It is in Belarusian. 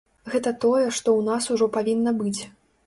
Гэта тое, што ў нас ужо павінна быць.